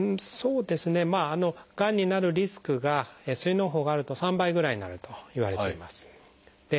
がんになるリスクが膵のう胞があると３倍ぐらいになるといわれています。